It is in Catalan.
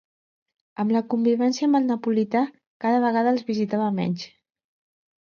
Amb la convivència amb el napolità, cada vegada els visitava menys.